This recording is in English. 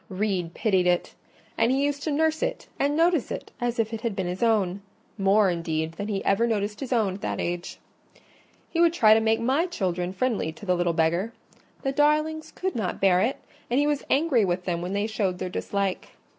Reed pitied it; and he used to nurse it and notice it as if it had been his own: more, indeed, than he ever noticed his own at that age. He would try to make my children friendly to the little beggar: the darlings could not bear it, and he was angry with them when they showed their dislike.